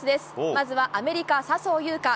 まずはアメリカ、笹生優花。